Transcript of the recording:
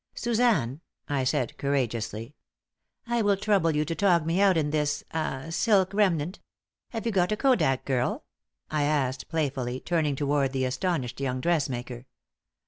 "Suzanne," I said, courageously, "I will trouble you to tog me out in this ah silk remnant. Have you got a kodak, girl?" I asked, playfully, turning toward the astonished young dressmaker.